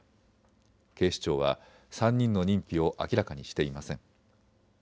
警視庁は３人の認否を明らかにしていません。